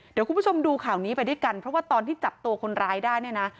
เดี๋ยวคุณผู้ชมดูข่าวนี้ไปด้วยกันเพราะว่าตอนที่จับตัวคนร้ายได้เนี่ยนะ